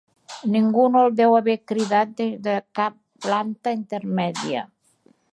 Ningú no el deu haver cridat des de cap planta intermèdia.